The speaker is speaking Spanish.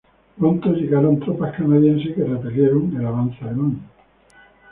Pronto llegaron tropas canadienses que repelieron el avance alemán.